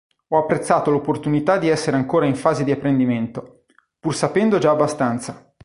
Ho apprezzato l'opportunità di essere ancora in fase di apprendimento, pur sapendo già abbastanza.